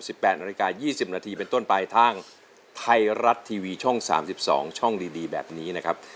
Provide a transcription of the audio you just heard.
สิบแปดนาฬิกา๒๐นาทีเป็นต้นไปทางทไทยรัตน์ทีวีช่อง๓๒ช่องดีแบบนี้นะครับ